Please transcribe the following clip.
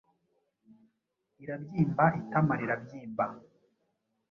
irabyimba, itama rirabyimba,